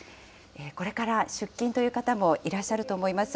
これから出勤という方もいらっしゃると思います。